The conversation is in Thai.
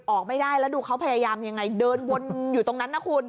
ออกไม่ได้แล้วดูเขาพยายามยังไงเดินวนอยู่ตรงนั้นนะคุณ